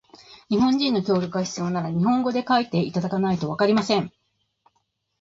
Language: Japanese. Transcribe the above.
日本人の協力が必要なら、日本語で書いていただかないとわかりません。